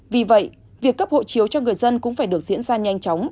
vì vậy việc cấp hộ chiếu cho người dân cũng phải được diễn ra nhanh chóng